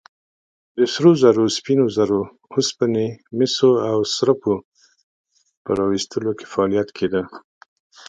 د سرو زرو، سپینو زرو، اوسپنې، مسو او سربو په راویستلو کې فعالیت کېده.